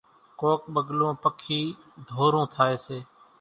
ڪَوڪَ ٻڳلون پکِي ڌورون ٿائيَ سي۔